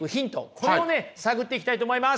これをね探っていきたいと思います。